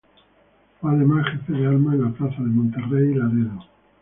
Fue además Jefe de armas en las plazas de Monterrey y Laredo.